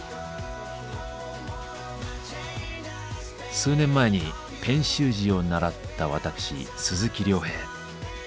数年前にペン習字を習った私鈴木亮平。